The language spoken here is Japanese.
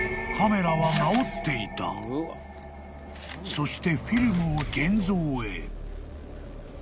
［そしてフィルムを現像へ］